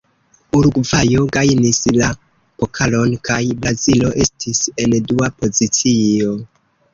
Urugvajo gajnis la pokalon, kaj Brazilo estis en dua pozicio.